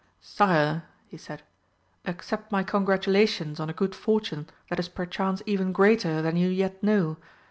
"Sire," he said, "accept my congratulations on a good fortune that is perchance even greater than you yet know.